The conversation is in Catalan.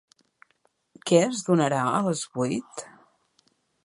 Què es donarà a les vuit?